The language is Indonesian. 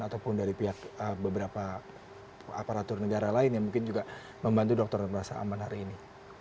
ataupun dari pihak beberapa aparatur negara lain yang mungkin juga membantu dokter yang merasa aman hari ini